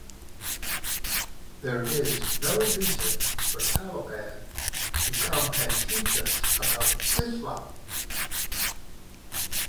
There is no reason for Taliban to come and teach us about Islam.